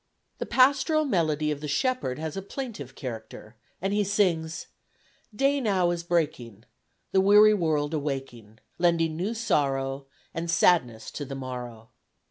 The pastoral melody of the shepherd has a plaintive character, and he sings: Day now is breaking, The weary world awaking, Lending new sorrow And sadness to the morrow.